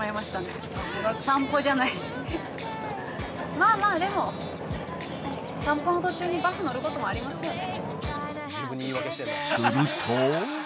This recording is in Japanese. まあまあ、でも、散歩の途中にバスに乗ることもありますよね。